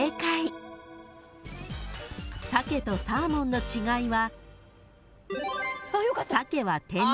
［鮭とサーモンの違いは］